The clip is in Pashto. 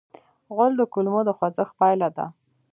غول د کولمو د خوځښت پایله ده.